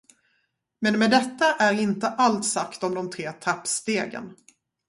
Men med detta är inte allt sagt om de tre trappstegen.